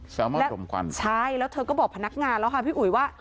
ลมอนลมควันใช่แล้วเธอก็บอกพนักงานแล้วค่ะพี่อุ๋ยว่า